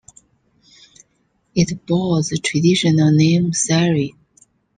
It bore the traditional name "Sarin".